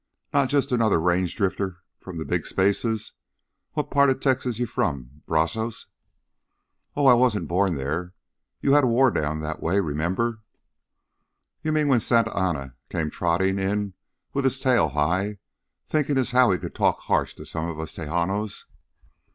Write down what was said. Not jus' 'nother range drifter from the big spaces. What part of Texas you from Brazos?" "Oh, I wasn't born there. You had a war down that way, remember?" "You mean when Santa Anna came trottin' in with his tail high, thinkin' as how he could talk harsh to some of us Tejanos?"